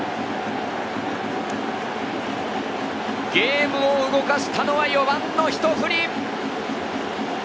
ゲームを動かしたのは４番のひと振り。